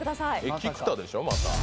菊田でしょ、また。